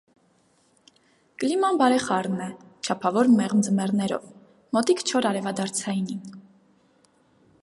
Կլիման բարեխառն է՝ չափավոր մեղմ ձմեռներով, մոտիկ չոր արևադարձայինին։